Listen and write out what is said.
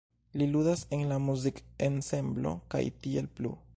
Li ludas en la muzik-ensemblo Kaj Tiel Plu.